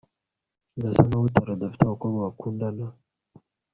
Birasa nkaho Taro adafite abakobwa bakundana